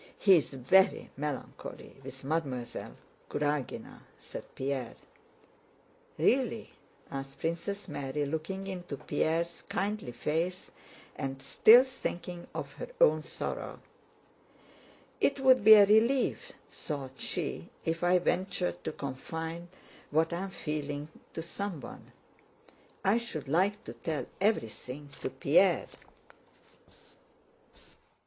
He is very melancholy with Mademoiselle Karágina," said Pierre. "Really?" asked Princess Mary, looking into Pierre's kindly face and still thinking of her own sorrow. "It would be a relief," thought she, "if I ventured to confide what I am feeling to someone. I should like to tell everything to Pierre.